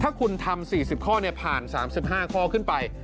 ถ้าคุณทำ๔๐ข้อผ่าน๓๕ข้อขึ้นไป